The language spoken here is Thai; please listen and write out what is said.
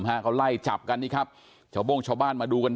ฮะเขาไล่จับกันนี่ครับชาวโบ้งชาวบ้านมาดูกัน